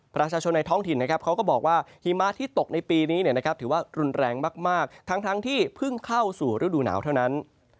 ประชาชนในท้องถิ่นนะครับเขาก็บอกว่าหิมะที่ตกในปีนี้ถือว่ารุนแรงมากทั้งที่เพิ่งเข้าสู่ฤดูหนาวเท่านั้น